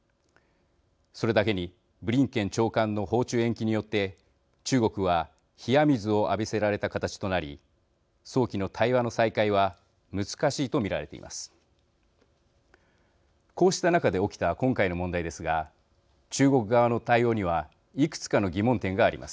それだけにブリンケン長官の訪中延期によって中国は冷や水を浴びせられた形となり早期の対話の再開は難しいと見られています。